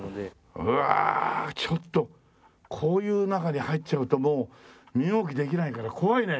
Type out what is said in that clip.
ちょっとこういう中に入っちゃうともう身動きできないから怖いね。